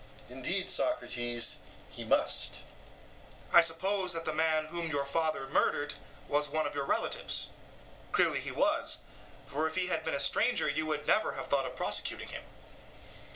EUTHYPHRO: Indeed, Socrates, he must. SOCRATES: I suppose that the man whom your father murdered was one of your relatives clearly he was; for if he had been a stranger you would never have thought of prosecuting him.